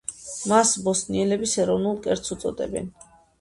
მას ბოსნიელების ეროვნულ კერძს უწოდებენ.